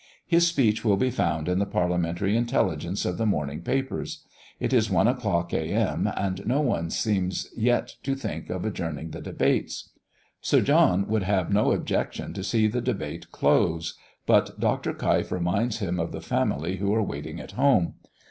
His speech will be found in the parliamentary intelligence of the morning papers. It is one o'clock, A.M., and no one seems yet to think of adjourning the debate. Sir John would have no objection to see the debate close; but Dr. Keif reminds him of the family who are waiting at home.